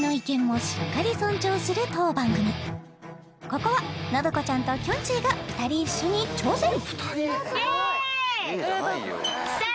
ここは信子ちゃんときょんちぃが２人一緒に挑戦！